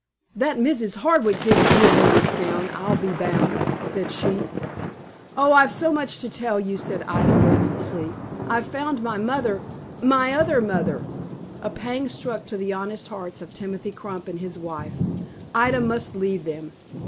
"That Mrs. Hardwick didn't give you this gown, I'll be bound," said she. "Oh, I've so much to tell you," said Ida, breathlessly. "I've found my mother, my other mother!" A pang struck to the honest hearts of Timothy Crump and his wife. Ida must leave them.